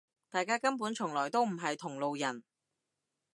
大家根本從來都唔係同路人